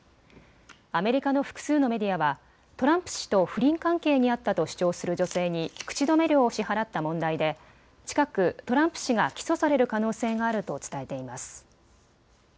アメリカの複数のメディアはトランプ氏と不倫関係にあったと主張する女性に口止め料を支払った問題で近くトランプ氏が起訴される可能性があると伝えています。